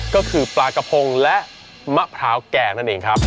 ก็คือปลากระพงและมะพร้าวแกงนั่นเองครับ